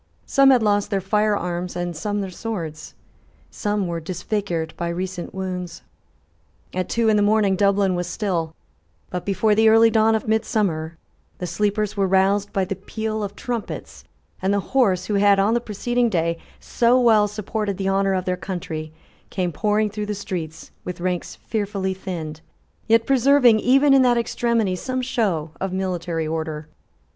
Some had lost their fire arms, and some their swords. Some were disfigured by recent wounds. At two in the morning Dublin was still: but, before the early dawn of midsummer, the sleepers were roused by the peal of trumpets; and the horse, who had, on the preceding day, so well supported the honour of their country, came pouring through the streets, with ranks fearfully thinned, yet preserving, even in that extremity, some show of military order.